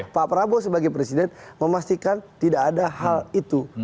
pak prabowo sebagai presiden memastikan tidak ada hal itu